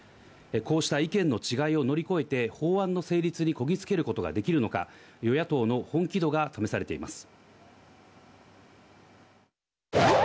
こうした意見の違いを乗り越えて、法案の成立にこぎ着けることができるのか、与野党の本気度が試されています。